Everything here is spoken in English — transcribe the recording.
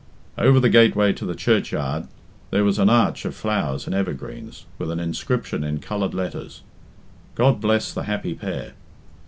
Over the gateway to the churchyard there was an arch of flowers and evergreens, with an inscription in coloured letters: "God bless the happy pair."